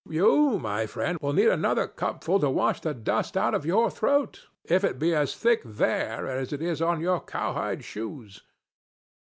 —You, my friend, will need another cupful to wash the dust out of your throat, if it be as thick there as it is on your cowhide shoes.